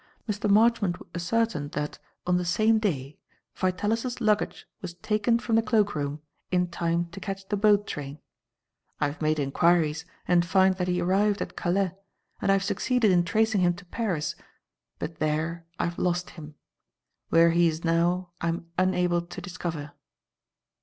Mr. Marchmont ascertained that, on the same day, Vitalis's luggage was taken from the cloak room in time to catch the boat train. I have made inquiries and find that he arrived at Calais, and I have succeeded in tracing him to Paris, but there I have lost him. Where he is now I am unable to discover.